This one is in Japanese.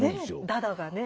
ダダがねぇ。